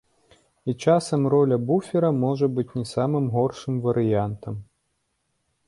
І часам роля буфера можа быць не самым горшым варыянтам.